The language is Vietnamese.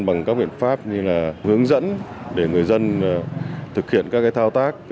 bằng các biện pháp như là hướng dẫn để người dân thực hiện các thao tác